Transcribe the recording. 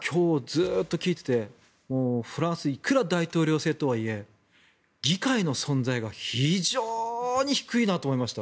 今日、ずっと聞いててフランスいくら大統領制とはいえ議会の存在が非常に低いなと思いました。